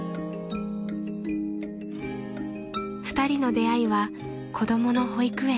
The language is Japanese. ［２人の出会いは子供の保育園］